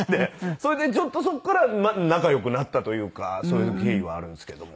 それでちょっとそこから仲良くなったというかそういう経緯はあるんですけども。